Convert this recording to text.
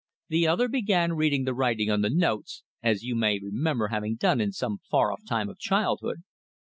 The other began reading the writing on the notes as you may remember having done in some far off time of childhood.